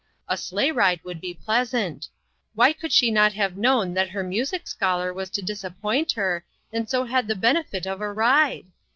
A sleigh ride would be pleasant. Why could she not have known that her music scholar was to disappoint her, and so had the benefit of a ride?